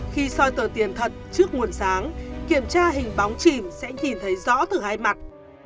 khi soi tờ tiền thật trước nguồn sáng kiểm tra hình bóng chìm sẽ nhìn thấy rõ từ hai mặt